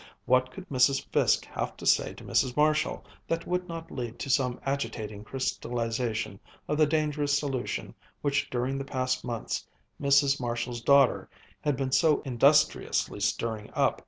What could Mrs. Fiske have to say to Mrs. Marshall that would not lead to some agitating crystallization of the dangerous solution which during the past months Mrs. Marshall's daughter had been so industriously stirring up?